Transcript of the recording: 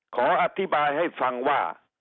ขออธิบายให้ฟังว่า